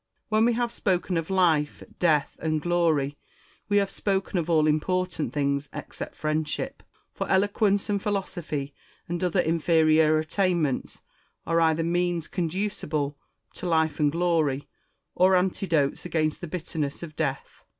When we have spoken of life, death, and glory, we have spoken of all important things, except friendship ; for eloquence and philosophy, and other inferior attainments, are either means conducible to life and glory, or antidotes against the bitterness of death.